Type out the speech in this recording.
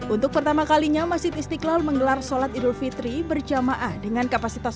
untuk pertama kalinya masjid istiqlal menggelar sholat idul fitri berjamaah dengan kapasitas